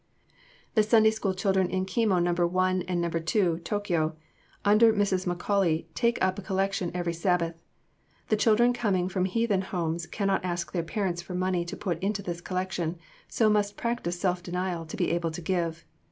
The Sunday School children in Keimo No. 1 and No. 2, Tokyo, under Mrs. McCauley, take up a collection every Sabbath.... The children coming from heathen homes cannot ask their parents for money to put into this collection, so must practice self denial to be able to give.